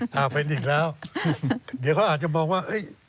หากเป็นอีกแล้วเดี๋ยวเขาอาจจะมองว่า